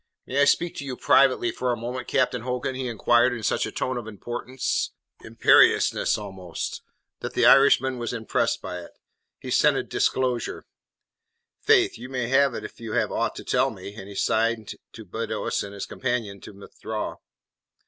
"May I speak to you privately for a moment, Captain Hogan?" he inquired in such a tone of importance imperiousness, almost that the Irishman was impressed by it. He scented disclosure. "Faith, you may if you have aught to tell me," and he signed to Beddoes and his companion to withdraw.